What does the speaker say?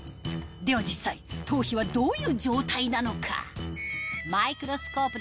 では実際頭皮はどういう状態なのか？